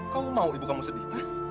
kamu mau ibu kamu sedih